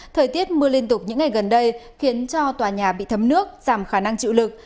thời tiết mưa liên tục những ngày gần đây khiến cho tòa nhà bị thấm nước giảm khả năng chịu lực